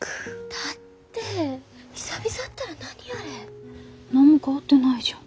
だって久々会ったら何あれ。何も変わってないじゃん。